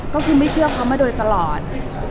ก็คือไม่เชื่อเขามาโดยตลอด